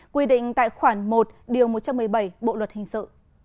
quy định tại khoản một điều một trăm một mươi bảy bộ luật hình sự